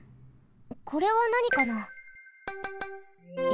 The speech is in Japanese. これはなにかな？